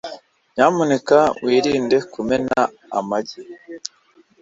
Nyamuneka wirinde kumena amagi.